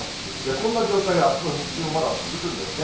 こんな状態があすの日中もまだ続くんですね。